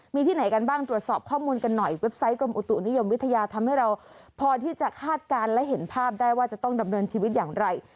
มีที่ไหนกันบ้างตรวจสอบข้อมูลกันหน่อยเว็บไซต์กรมอุตุนิยมวิทยาทำให้เราพอที่จะคาดการณ์และเห็นภาพได้ว่าจะต้องดำเนินชีวิตอย่างไร